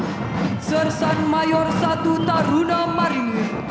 dengan pendata roma satu sersan mayor satu taruna marin